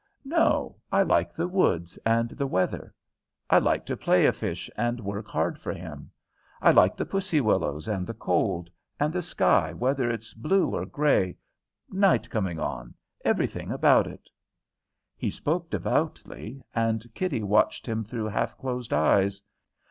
"No, I like the woods and the weather. I like to play a fish and work hard for him. I like the pussy willows and the cold; and the sky, whether it's blue or grey night coming on, every thing about it." He spoke devoutly, and Kitty watched him through half closed eyes.